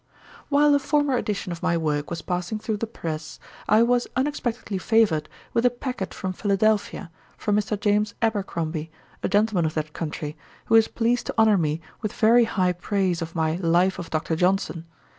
While a former edition of my work was passing through the press, I was unexpectedly favoured with a packet from Philadelphia, from Mr. James Abercrombie, a gentleman of that country, who is pleased to honour me with very high praise of my Life of Dr. Johnson.